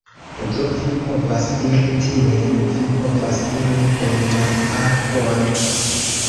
Do vi povas iri tien, vi povas iri en la arbon